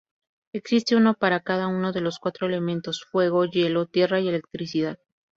Existe uno para cada uno de los cuatro elementos: fuego, hielo, tierra y electricidad.